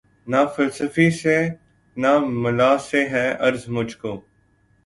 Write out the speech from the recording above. نہ فلسفی سے نہ ملا سے ہے غرض مجھ کو